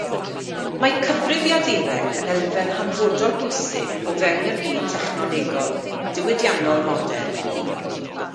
Mae cyfrifiadureg yn elfen hanfodol bwysig o fewn y byd technolegol, diwydiannol modern.